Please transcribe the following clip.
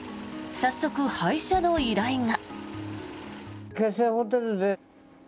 早速、配車の依頼が。